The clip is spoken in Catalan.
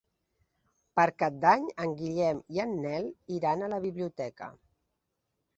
Per Cap d'Any en Guillem i en Nel iran a la biblioteca.